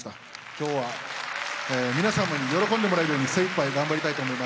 今日はえ皆様に喜んでもらえるように精いっぱい頑張りたいと思います。